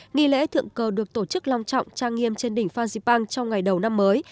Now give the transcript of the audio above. nghi lễ thượng cờ được tổ chức long trọng trang nghiêm trên đỉnh phan xipang trong ngày đầu năm mới